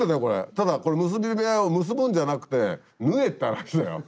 ただこれ結び目を結ぶんじゃなくて縫えって話だよ。